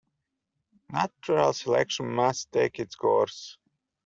Natural selection must take its course.